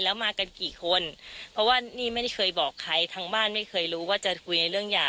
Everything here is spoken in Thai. แล้วมากันกี่คนเพราะว่านี่ไม่ได้เคยบอกใครทางบ้านไม่เคยรู้ว่าจะคุยในเรื่องหย่า